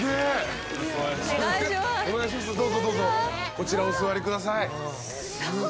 こちらお座りください。